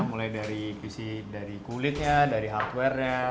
mulai dari qc dari kulitnya dari hardware nya